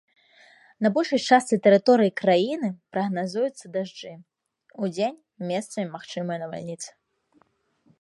На большай частцы тэрыторыі краіны прагназуюцца дажджы, удзень месцамі магчымыя навальніцы.